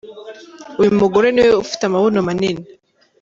Uyu mugore niwe ufite amabuno manini.